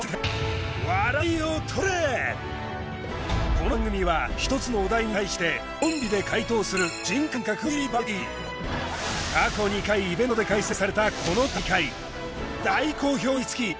この番組は１つのお題に対してコンビで回答する過去２回イベントで開催されたこの大会